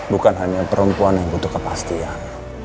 bukan hanya perempuan yang butuh kepastian